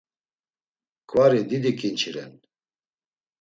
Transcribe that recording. Ǩvari didi ǩinçi ren.